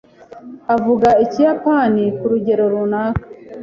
Avuga Ikiyapani ku rugero runaka.